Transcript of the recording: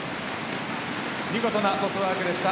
見事なトスワークでした。